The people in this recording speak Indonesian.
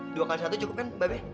dua kali satu cukup kan babe